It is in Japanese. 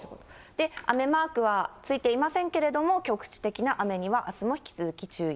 で、雨マークはついていませんけれども、局地的な雨にはあすも引き続き注意。